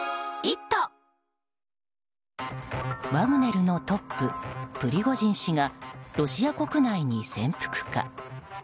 ワグネルのトッププリゴジン氏がロシア国内に潜伏か。